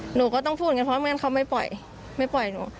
หนูก็ต้องพูดกันเพราะไม่งั้นเขาไม่ปล่อยไม่ปล่อยหนู